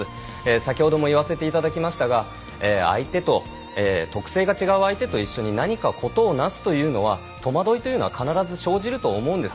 先ほども言わせていただきましたが特性が違う相手と一緒に何か事をなすというのは戸惑いは必ず生じると思うんです。